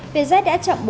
vietjet đã chậm